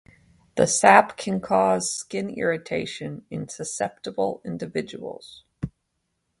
The sap can cause skin irritation in susceptible individuals.